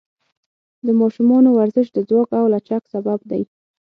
د ماشومانو ورزش د ځواک او لچک سبب دی.